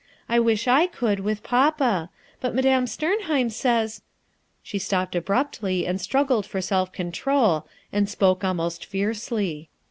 I wish I eould, with " A STUDY " 273 papa. But Madame Stemheim says ~» she stopped abruptly and struggled for self control and Bpokc almost fiercely.